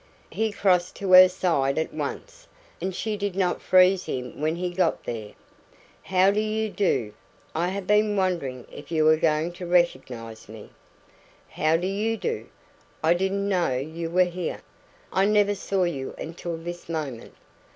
He crossed to her side at once, and she did not freeze him when he got there. "How do you do? I have been wondering if you were going to recognise me." "How do you do? I didn't know you were here. I never saw you until this moment."